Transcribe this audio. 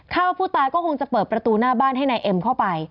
ว่าผู้ตายก็คงจะเปิดประตูหน้าบ้านให้นายเอ็มเข้าไป